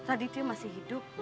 raditya masih hidup